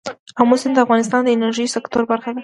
آمو سیند د افغانستان د انرژۍ سکتور برخه ده.